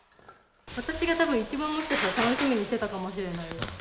私がたぶん一番もしかしたら楽しみにしていたかもしれないです。